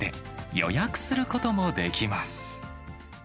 予約することもできます。